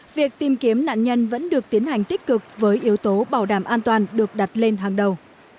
việc tìm kiếm nạn nhân vẫn được tiến hành tích cực với yếu tố bảo đảm an toàn được đặt lên hàng đầu